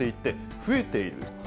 増えている。